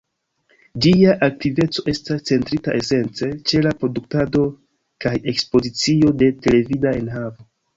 Ĝia aktiveco estas centrita esence ĉe la produktado kaj ekspozicio de televida enhavo.